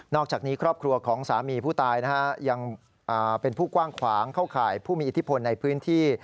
อกจากนี้ครอบครัวของสามีผู้ตายยังเป็นผู้กว้างขวางเข้าข่ายผู้มีอิทธิพลในพื้นที่